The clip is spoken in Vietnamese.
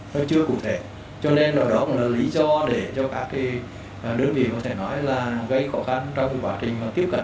nó chưa cụ thể cho nên đó là lý do để cho các đơn vị gây khó khăn trong quá trình tiếp cận